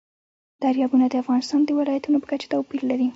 دریابونه د افغانستان د ولایاتو په کچه توپیر لري.